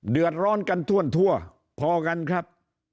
เดือดร้อนกันทั่วพอกันครับ